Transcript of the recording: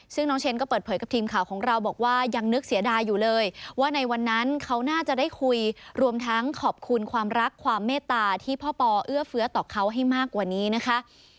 ซึ่งน้องเชนก็เปิดเผยกับทีมข่าวของเราบอกว่ายังนึกเสียดายอยู่เลยว่าในวันนั้นเขาน่าจะได้คุยรวมทั้งขอบคุณความรักความเมตตาที่พ่อปอเอื้อเฟื้อต่อเขาให้มากกว่านี้นะคะ